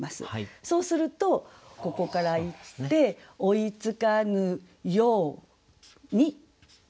そうするとここからいって「追ひつかぬやうに子を」